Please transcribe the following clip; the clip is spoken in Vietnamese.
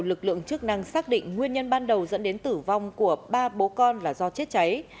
lực lượng chức năng xác định nguyên nhân ban đầu dẫn đến tử vong của ba bố con là do chết cháy